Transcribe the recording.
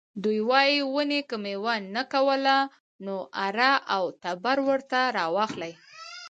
دوی وايي ونې که میوه نه کوله نو اره او تبر ورته راواخلئ.